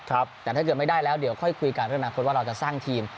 แต่ถ้าเกิดไม่ได้แล้วเดี๋ยวค่อยคุยกันเรื่องอนาคตว่าเราจะสร้างทีม